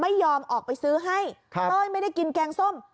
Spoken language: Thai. ไม่ยอมออกไปซื้อให้เต้ยไม่ได้กินแกงส้ม